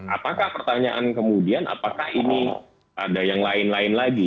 apakah pertanyaan kemudian apakah ini ada yang lain lain lagi